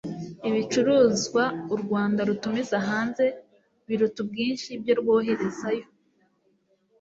ibicuruzwa u rwanda rutumiza hanze biruta ubwinshi ibyo rwoherezayo